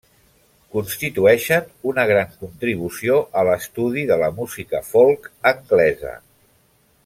Constitueixen una gran contribució a l'estudi de la música folk anglesa.